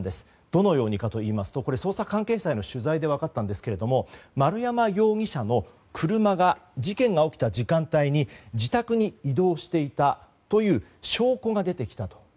どのようにかといいますとこれは捜査関係者への取材で分かったんですが丸山容疑者の車が事件が起きた時間帯に自宅に移動していたという証拠が出てきたと。